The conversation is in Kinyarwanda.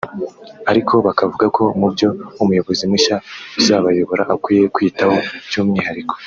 ariko bakavuga ko mubyo umuyobozi mushya uzabayobora akwiye kwitaho by’umwihariko